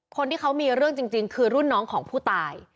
คนที่เขามีเรื่องจริงคือรุ่นน้องของผู้ตาย